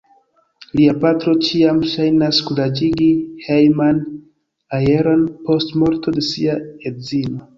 Lia patro ĉiam ŝajnas kuraĝigi hejman aeron post morto de sia edzino.